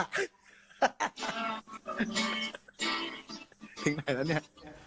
หยิงไหนละเนี่ย